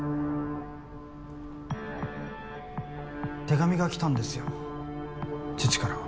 手紙が来たんですよ父から。